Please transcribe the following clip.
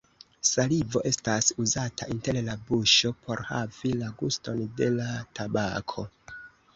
Salivo estas uzata inter la buŝo por havi la guston de la tabako.